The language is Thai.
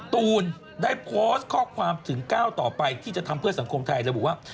ตูนได้โพสต์ข้อความถึงก้าวต่อไปที่จะทำเพื่อสังคมไทยระบุว่า